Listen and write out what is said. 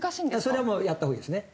それはやった方がいいですね。